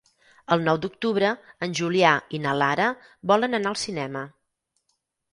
El nou d'octubre en Julià i na Lara volen anar al cinema.